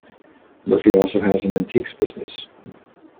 Murphy also has an antiques business.